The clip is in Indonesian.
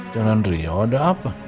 jalan rio ada apa